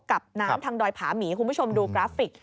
กับน้ำทางดอยผาหมีคุณผู้ชมดูกราฟิก